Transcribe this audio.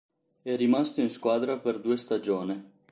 È rimasto in squadra per due stagione.